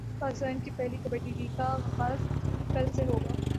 پاکستان کی پہلی کبڈی لیگ کا غاز کل سے ہوگا